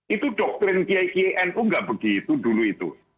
itu doktrin kiai ki nu nggak begitu dulu itu